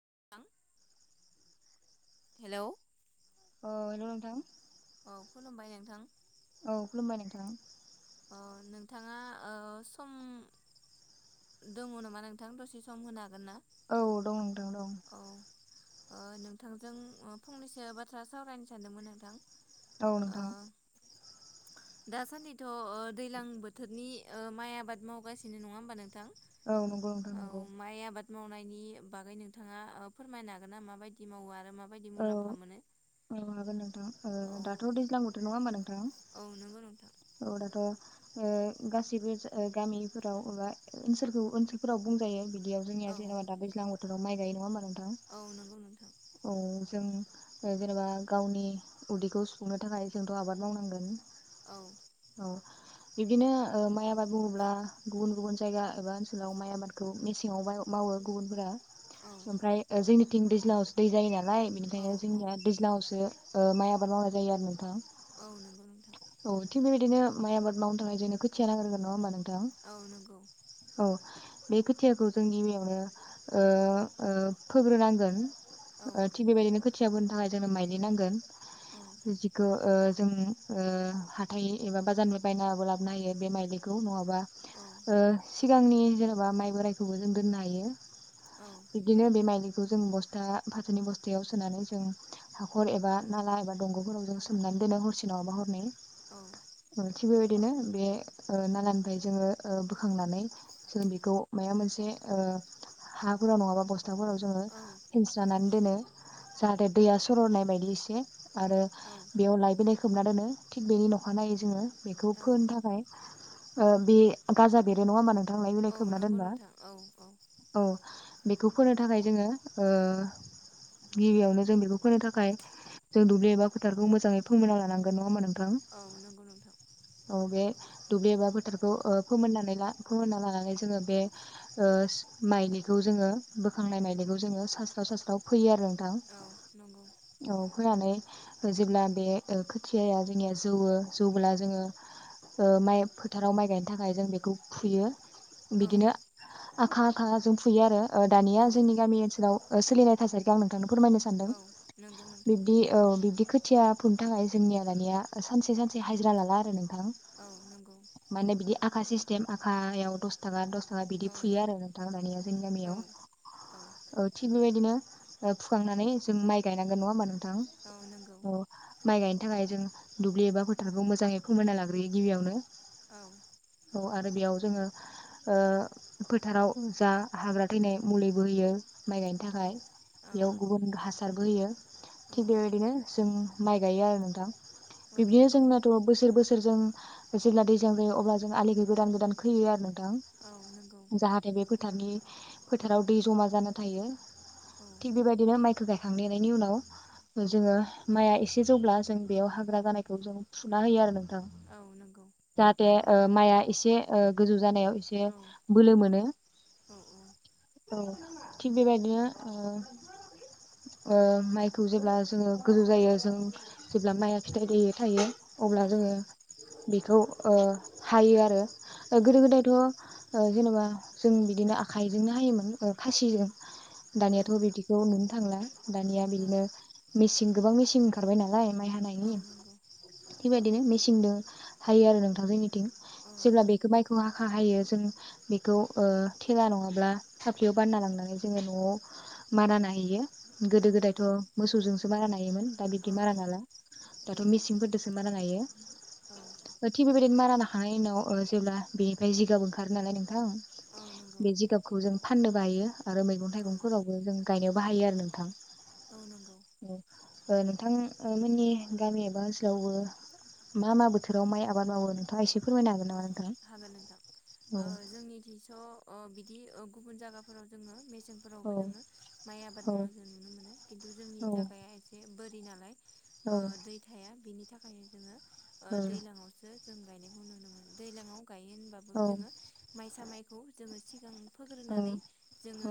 [unintelligible] हेल'। अ हेलौ नोंथां। औ खुलुमबाय नोंथां। औ खुलुमबाय नोंथां। अ नोंथाङा ओ सम दङ नामा नोंथां दसे सम होनो हा- औ दं नोंथां दं। ओ नोंथांजों फंनैसो बाथ्रा सावरायनो सानदोंमोन नोंथां। ओ नोंथां। दा सानदि। थ' ओ दैलां बोथोरनि ओ माइ आबाद मावगासिनो नङा होमबा नोंथां। औ नंगौ नोंथां औ नंगौ। माइ आबाद मावनायनि बागै नोंथाङा ओ फोरमायनो हागोन ना माबायदि मावो आरो। माबायदि औ मुलाम्फा मोनो औ हागोन नोंथां ओ औ दाथ' दैज्लां बोथोर नङा होनोमबा नोंथ। औ नोंगौ नोंथां। अ दाथ' ओ गासैबो गामिफोराव एबा ओनसोलखौ ओनसोलफोराव बुंजायो बिदि। जियाव जोंनिया औ जेनबा दा दैज्लां बोथोर। बोथोराव माय गायो नङा होनबा नों- औ नंगौ नोंथां। जों ओ जेनेबा गावनि उदैखौ सुफुंनो थाखाय जोंथ' आबाद मावनांगोन। औ। बिबदिनो ओ माइ आबाद बुङोब्ला गुबुन गुबुन जायगा एबा ओनसोलाव माइ आबादखौ मेसेङाव मावो गुबुनफोरा औ ओमफ्राय ओ जोंनि थिंज्लांयावसो दै जायोनाला। नालाय औ बिनिखायनो औ जोंनिया दैज्लांआवसो। ओ माइ आबाद मावनाय जायो आरो नोंथा। औ नंगौ नोंथां। औ थिग बेबायदिनो माइ आबाद मावनो थाखाय जोंनो खोथिया नांग्रोगोन नङा होनबा नों। थां औ नंगौ औ बे खोथियाखौ जों गिबियावनो ओ ओ फोग्रोनांगोन। औ ओ थिग बेबायदिनो खो- खोथियाबोनो थाखाय जोंनो माइलि नांगोन औ जिखौ ओ जों। ओ हाथाय एबा बाजारनिफ्राय बायनाबो लाबोनो हायो बे माइलिखौ नङाब। बा औ ओ। सिगांनि जेनेबा माइ बोराइखौबो जों दोननो हायो। औ बिद्बिनो बे माइलि। बेखौ जों बस्था फाथोनि बस्थायाव सोनानै जों हाख'र एबा नाला एबा दंग'फोराव जों सोमनानै दोनो हरसे नङाबा हरनै। नै। औ। थिग बेबायदिनो बे ओ नाला निफ्राय जोङो ओ बोखांनानै जोलै खौ माया मोनसे ओ हा गुराव नङाबा बस था ना जोङो फिनस्रा नानै दोनो जाहाथे दैया सर'नाय बायदि एसे आरो औ बेयाव लायबिलाय खोबना दोनो। थिग बेनि नखा नायै जोङो बेखौ औ फोनो थाखाय ओ बे गाजा बेरो नङा नों थां लाय बिलाइ औ खोबना नंगौ दोनबा नोंथां औ। बेखौ फोनो थाखाय जोङो ओ गिबि यावनो जों बेखौ फोनो थाखाय जों दुब्लि एबा फोथारखौ मोजाङै फोममोनना लानांगोन नङा होमबा नों थां औ नंगौ नोंथां औ बे दुब्लि एबा फोथार खौ ओ फोमोन नानै ला फोमोनना लानानै जोङो बे ओ माइलिखौ जोङो बोखांनाय माइलिखौ जोङो सास्राव सास्राव फोयो आरो। थां औ फोनानै जेब्ला बे ओ खोथियाया जोंनिया जौवो जौब्ला जोङो ओ माइ फोथाराव माइ गायनो थाखाय जों बेखौ फुयो औ बिदिनो आखा आखा जों फुयो आरो ओ औ दानिया जोंनि गामि ओनसोलाव सोलिनाय थासारिखौ आं नोंथांनो फोरमायनो सानदों औ नंगौ नोंथां बिब्दि औ बिब्दि खो थिया फुनो थाखाय जोंनिआ दानिया सानसे सानसे हाजिरा लाला आरो नों थां औ नंगौ माने बिदि आखा सिस्टेम आखा याव दस थाखा दस औ बिदि फुयो आरो नोंथां दानिया जोंनि औ गामियाव ओ थि बेबायदि दिनो ओ फुखां नानै जों माइ गायनांगोन नङा होमबा नों थां औ नंगौ अ माइ गाय थाखाय जों दुब्लि एबा फोथारखौ मोजाङै फोमोना लाग्रोयो गिबियावनो औ। अ आरो बेयाव जोङो ओ फोथाराव जा हाग्रा थैनाय मुलिबो होयो। माइ गायनो औ थाखाय औ बेयाव गुबुन हास सारबो होयो। औ थिग बेबायदिनो जों माइ गायो आरो नोंथां। बिब्दिनो नंगौ जोंनाथ' बोसोर बोसोरजों जेब्ला दैजां जायो अब्ला जों आलिखौ गोदान गोदान खोयो आरो। औ नंगौ औ नंगौ नोंथां जाहाथेे बे फो थारनि फोथाराव दै जमा जाना थायो। औ थिग बेबायदिनो माइखो गाय खांनायनि उनाव जोङो माइआ एसे जौब्ला जों बेयाव हाग्रा जानाय खौ जों फुना होयो आरो नों थां औ जाहाथे ओ माइआ एस ओे गोजौ जानायाव एसे बोलो मोनो औ थिग बेबायदिनो ओ ओ माइखौ जेब्ला जोङो गोजौ जायो जों जेब्ला माइआ फिथाइ थायो थायो अब्ला औ जोङो बेखौ ओ हायो आरो। ओ औ गोदो नंगौ गोदायथ' ओ जेनबा जों बिदिनो आखाइजोंनो हायोमोन ओ खासिजों दानियाथ' बिदिखौ नुनो थांला दानिया बिदिनो मेचिन गोबां मेचिन ओंखारबाय नालाय मा माय हानायनि। थिबायदिनो मेचिनदो हायो आरो नोंथां जोंनिथिं। औ जेब्ला नंगौ बेखो माइखो हाखा हायो जों बेखौ ओ थेला नङाब्ला फाफ्लियाव बानना लांनानै जोङो न'आव मारा नाहैयो। औ गोदो गोदायथ' मोसौजोंसो मारा नायोमोन दा औ बिदि मारा नाला दाथ' मिसि सिनफोरदोसो मारा नायो। थि बेबायदिनो मारा नाखांनायनि उनाव ओ जेब्ला बेनिफ्राय जिगाब ओंखारो नालाय नोंथां औ नंगौ बे जिगाबखौ जों फाननोबो हायो आरो मैगं औ थाइगंफोरावबो जों गायनायाव बाहायोबो आरो नोंथां। औ नंगौ उम। ओ नोंथां ओ मोननि गामि एबा ‌ओनसो लावबो मा मा बोथोराव माइ आबाद मावो नोंथां‌ एसे फोरमायनो हागोन औ नामा नोंथां? हागोन नोंथां ओ जोंनि थिस' ओ बिदि ओ गुबुन जायगाफोराव जोङो मेस सें औ फोरावबो जोङो माइ आबाद मावनाय जों नुनो मोनो किन्थु जोंनि जागाया एसे बोरि नालाय औ ओ दै थाया बिनि थाखाय जोङो ओ दैलांआवसो जों गायनायखौ नुनो मोनो। दैलांआव गायो होनबाबोब जोंङो माइ सामाइखौ जोंङो‌ सिगां औ फोग्रोनानै औ जोङो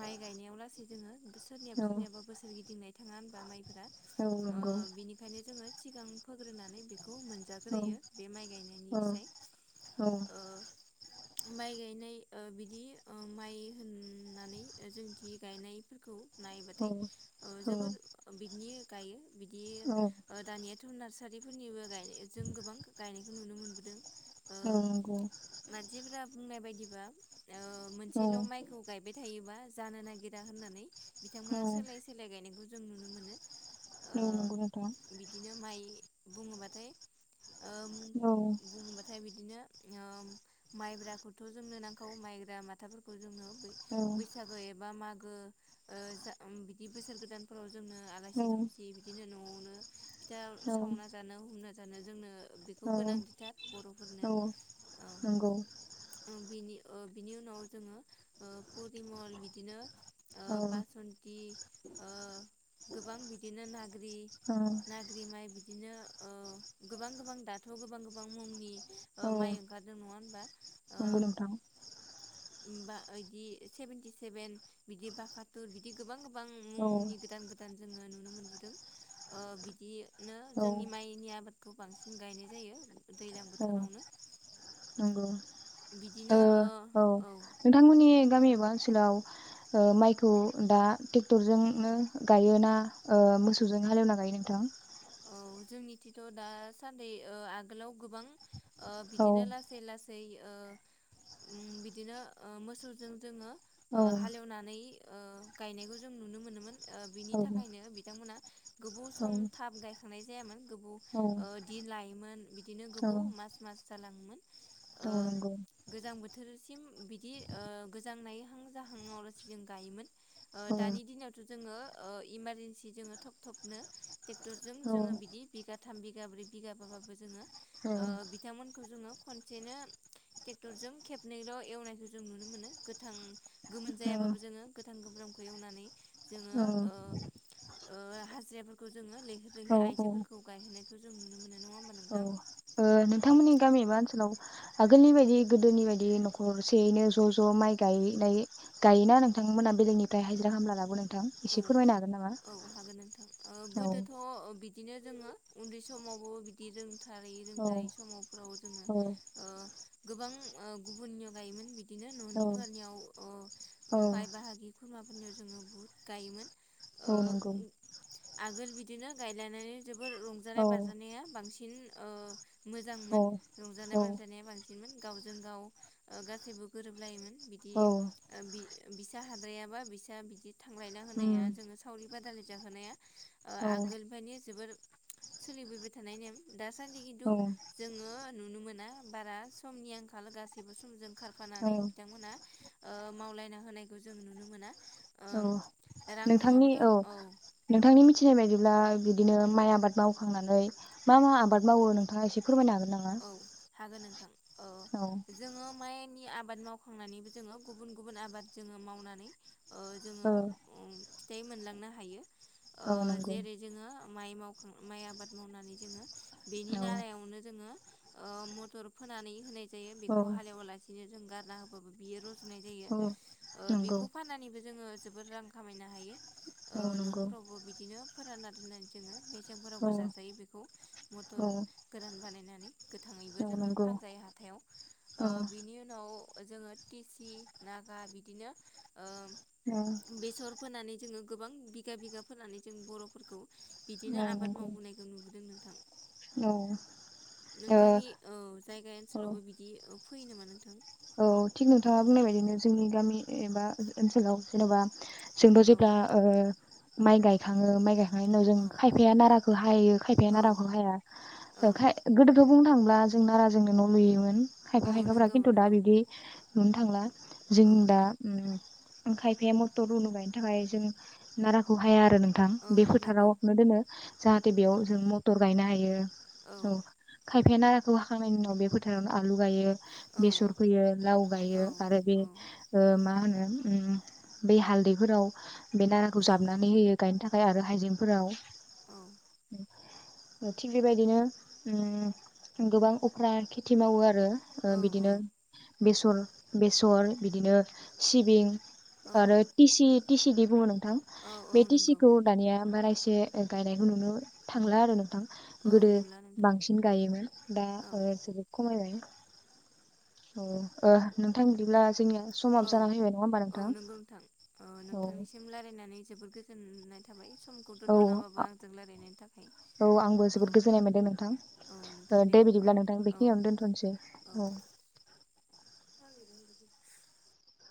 माइ गायनायाव लासै जोङो सोरनियाबा औ नंगौ सोरनियाबा बोसोर गिदिंनाय थाङा होनबा माइफोरा। औ ओ बिनिखायनो जोङो सिगां फोग्रोनानै बे खौ औ मोनजाग्रोयो बे माइ गायनायनि औ। माइ गायनाय ओ बिदि ओ माइ होननानै जोंदि गायनायफोरखौ नायबाथाय ओ औ जोबोर बिनि गायो। बिदि औ दानियाथ' नार्सा रिफोरनिबो गायो, जों गोबां गायनायखौ नुनो मोनदों। औ नंगौ। बुंनाय बायदिबा ओ औ मोनसेल' माइखौ गायबाय थायोबा जानो नागिरा होननानै औ बिथांमोना सोलाय सोलाय गायनायखौ जों नुनो मोनो। औ नंगौ ओ नोंथाङा बिदिनो माइ बुङोबाथाय ओम औ बुङोबाथाय बिदिनो ओ माइब्राखौथ' जोंनो नांगौ माइग्रा माथाफोरखौ जोंनो बैसागो एबा मागो ओ ओ सा बिदि बोसोर गोदानफोराव जोंनो आलासि औ दुमसि बिदिनो न'आव नो फिथा औ सावना जानो हमना जा जानो जोंनो बेखौ औ गोनांथिथार। बर'फोरनो औ औ नंगौ औ बिनि ओ बिनि उनाव जोङो ओ परिमल आरो बिदिनो ओ औ बासन्थि ओ गोबां बिदिनो नाग्रि औ नाग्रि माइ बिदिनो ओ गोबां गोबां दाथ' गोबां गोबां मुंनि औ माइ ओंखारदों नङा होनबा? अ नंगौ नोंथां ओमबा बिदि सेभेनटि सेभेन बिदि बाखाथुर बिदि गोबां गोबां गोबां औ मुंनि गोदान गोदान ओ नुनो मोनबोदों ओ बिदि नो औ जोंनि माइनि आबाद खौ बांसिन गायनाय जायो दैलां औ बोथोरावनो नंगौ ओ औ नोंथांमोननि गामियावबो आ ओनसोलाव ओ माइखौ दा ट्रेक्टरजोंनो गायो ना ओ मोसौजों हालेवना गायो नोंथां औ जोंनिथिथ दासान्दि ओ आगोलाव गोबां ओ औ बिदिनो लासै लासै ओ ओम बिदिनो ओ मोसौजों जोङो ओ औ हालेवनानै ओ गायनायखौ जों नुनो मोनोमोन ओ बिनि औ थाखायनो बिथांमोना गोबाव औ सम थाब गाय खांनाय जायामोन गोबाव औ ओ दि लायोमोन बिदिनो औ गोबाव मास मास [unintelligible] ओ [unintelligible] नंगौ गोजां बोथोरसिम बिदि ओ गोजां नायहां जाहांआव लासि जों गायोमोन ओ औ दानि दिनावथ जोङो ओ इमारजेनसि जोङो थब थबनो टेकटर जों औ जोङो बिदि बिगाथ थाम बिगाब्रै बिगाबाबो जोङो ओ औ बिथांमोनखौ जोङो खनसेनो ट्रेक्टर जों खेबनैल एवनायखौ जों नुनो मोनो गोथां गोमोन जायाबो जोङो गोथां गोब्रामखौ एवनानै जोङो औ ओ ओ हाजिराफोरखौ जोङो लिं नानै औ औ आइजोफोरखौ गायहोना खौ जों नुनो मोनो नङा होमबा औ ओ नोंथां नोंथांमोननि गामि बा ओनसो लाव आगोलनि बायदि गोदोनि बायदि नखरसेयैनो ज ज माइ गायनाय गायोना नोंथांमोना बेलेगनिफ्राय हाजिरा खामला लाबो नों औ औ हागोन नोंथां ओ औ गोदोथ ओ बिदिनो जोङो उन्दै समावबो बिदि जों थारै औ रोंद्रायि समफोराव जोङो औ ओ गोबां ओ गुबुननियाव गायोमोन बि बिदिनो औ न'निफोरनियाव औ बाय बाहागि खुरा फोरनि जोङो बहुत गायोमोन औ नंगौ आगोल बिदिनो गायलायनानै जोबोर औ रंजानाय बाजानाया बांसिन फिन ओ औ मोजांमोन औ रंजानाय बाजानाया बांसिन बि गावजों गाव गासैबो गोरोबलायोमोन बिदि औ बि बिसा हाद्रायाबा बिसा बिदि थांलायना होनाया उम जोङो सावरि बादालि जाहोनाया औ आगोलनिफ्रायानि जोबोर सोलिबोबाय थानाय नेम दासानदि खिनथु औ जोङो नुनो मोनो बारा समनि आंखाल गाससिबो सम जों औ खारफानानै बिथांमोना मावलायना होनायखौ जों नुनो मोना ओ औ रां नोंथांनि औ नङाबाथ' नोंथांनि मिथिनाय बायदिब्ला बिदि बिदिनो माइ आबाद मावखांनानै मा मा आबाद मावो नोंथाङा एसे फोरमायनो हागोन नामा औ हागोन नोंथां औ जोङो माइनि आबाद मावखांनानैबो जोङो गुबुन गुबुन आबाद जोङो मावनानै जोङो औ फिथाइ मोनलांनो हायो औ नंगौ जेरै जोङो माइ मावखां माइ आबाद मावनानै जोङो बेनि औ नारायावनो जोङो मथर फोनानै होनाय जायो बेखौ औ हालेवालासिनो। जों गारना होबाबो बियो रज'यो। फुनाय जायो औ नंगौ बेखौ फाननानैबो जोङो जोबोर रां खामायनो हायो। ओ औ नंगौ न'फोरावबो बिदिनो फोरानना दोननानै जोङो। औ बेसागफोरावबो जाजायो बेखौ मथर औ गोरान बानायनानै। गोथाङैबो औ जोङो नंगौ फानजायो हाथायाव औ ओ बिनि उनाव जोङो टिसि नागा बिदिनो औ ओ बेसर फोनानै जोङो गोबां बिगा बिगा फाननानै जों बर'फोरखौ बिदिनो औ आबाद नंगौ मावबोनायखौ नुबोदों नों थां। औ। थिग नोंथांनि औ जायगा ओनसोलावबो बिदि ओ फैयो नामा नोंथां? औ थिग नोंथाङा औ बुंनाय बायदिनो जोंनि गामि एबा ओनसोलाव जेन'बा जोंथ' औ जेब्ला ओ माइ गायखाङो माइ गाय ओंखाय उनाव जों औ खायफाया नाराखौ हायो खायफाया औ नाराखौ हाया औ ओंखाय गोदोथ' बुंनो थांब्ला ब्ला जों नारा जोंनो न' लुयोमोन। खायफा औ खायफा फोरा नंगौ किन्टु थ' दा नंगौ बिदि नुनो थांला जों औ दा खायफाया मथर उनु गायनो थाखाय जों नाराखौ हाया आरो। नोंथां औ बे नंगौ फोथारावनो दोनो जाहाथे औ बेयाव जों मटर गायनो हायो। बियो। औ। खायफाया नाराखौ हाखांनायनि उनाव बे फोथारावनो आलु गायो। बेसर फोयो लाव औ गायो आरो ओ मा होनो बे हालदैफोराव बे नाराखौ जाबनानै होयो गायनो थाखाय आरो हायजेंफोराव थिग बेबायदिनो गोबां अफ्रा खेथि मावो आरो। ओ औ बि बेसर बेसर बिदिनो सिबिं। औ आरो टि सि। टिसि दि बुंङो नों औ बे औ टिसि नंगौ खौ दानिया बारायसि एसे गायनायखौ नुनो थांला आरो नोंथां। औ गोदो नुला नोंथां बांसिन गायोमोन दा औ ओ जोबोद खमायबाय। अ ओ नोंथां बिदिब्ला जोंनिया औ समाबो जाना फैबाय नङा होमबा औ नोंथां नंगौ नोंथां औ नोंथांनिसिम रायलायनानै जोबोद गोजोननाय थाबाय। समखौ औ दोन्थ'नाबाबो आंजों रायलायनायनि थाखाय औ आंबो औ जोबोद गोजोननाय मोनदों नोंथां औ ओ नोंथां दे बिदिब्ला नोंथां औ बेखिनियावनो दोनथ'नोसै औ। [unintelligible]